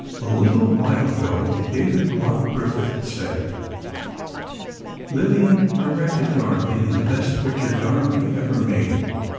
A little while ago David Wark Griffith said: "Lillian directed Dorothy in the best picture Dorothy ever made.